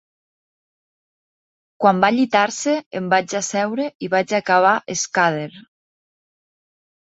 Quan va llitar-se em vaig asseure i vaig acabar Scudder.